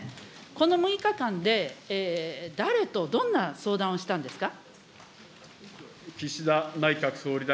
この６日間で、誰とどんな相談をしたんですか。